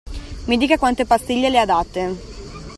Mi dica quante pastiglie le ha date.